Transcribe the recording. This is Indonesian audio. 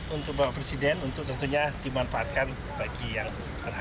untuk bapak presiden untuk tentunya dimanfaatkan bagi yang berhak